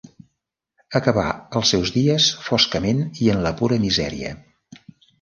Acabà els seus dies foscament i en la pura misèria.